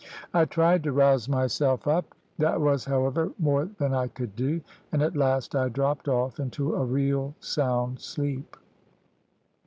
I tried to rouse myself up. That was, however, more than I could do, and at last I dropped off into a real sound sleep.